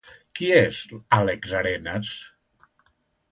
Qui és Àlex Arenas?